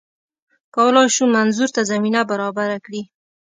کولای شو منظور ته زمینه برابره کړي